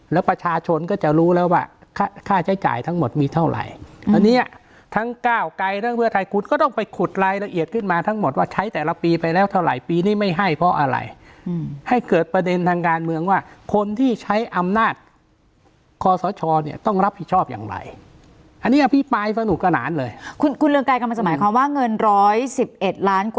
แล้วประชาชนก็จะรู้แล้วว่าค่าใช้จ่ายทั้งหมดมีเท่าไหร่อันเนี้ยทั้งก้าวไกลทั้งเพื่อไทยคุณก็ต้องไปขุดรายละเอียดขึ้นมาทั้งหมดว่าใช้แต่ละปีไปแล้วเท่าไหร่ปีนี้ไม่ให้เพราะอะไรให้เกิดประเด็นทางการเมืองว่าคนที่ใช้อำนาจคอสชเนี่ยต้องรับผิดชอบอย่างไรอันนี้อภิปรายสนุกสนานเลยคุณคุณเรืองไกรกำลังจะหมายความว่าเงินร้อยสิบเอ็ดล้านก